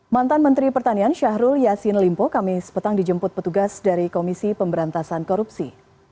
mantan menteri pertanian syahrul yassin limpo kami sepetang dijemput petugas dari komisi pemberantasan korupsi